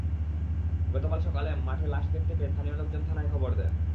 গতকাল সকালে মাঠে লাশ দেখতে পেয়ে স্থানীয় লোকজন থানায় খবর দেন।